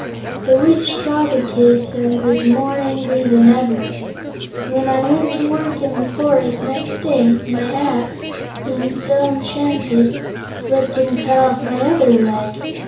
The Witch saw the kiss and was more angry than before. When I went to work in the forest, next day, my axe, being still enchanted, slipped and cut off my other leg.